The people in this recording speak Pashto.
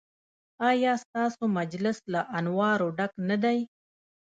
ایا ستاسو مجلس له انوارو ډک نه دی؟